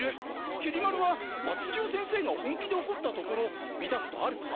きり丸は松千代先生が本気でおこったところ見たことあるか？